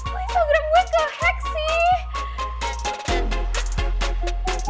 soal instagram gue ke hack sih